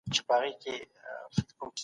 د اسلامي نظام اصول پر عدل ولاړ دي.